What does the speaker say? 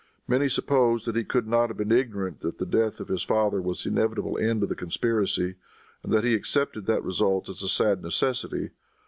Many suppose that he could not have been ignorant that the death of his father was the inevitable end of the conspiracy, and that he accepted that result as a sad necessity.